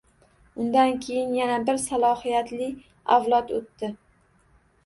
Ulardan keyin yana bir salohiyatli avlod o‘tdi.